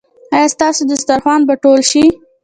ایا ستاسو دسترخوان به ټول شي؟